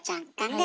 え。